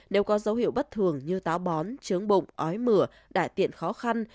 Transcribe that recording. nếu có dấu hiệu bất thường như táo bón chướng bụng ói mửa đại tiện khó khăn